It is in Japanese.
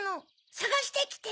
さがしてきて！